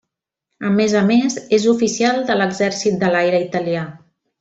A més a més és oficial de l'exèrcit de l'aire italià.